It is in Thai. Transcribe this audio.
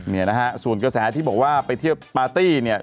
เนี่ยนะฮะส่วนกระแสที่บอกว่าไปเที่ยวปาร์ตี้เนี่ย